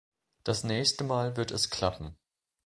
Das nächste Mal wird es klappen.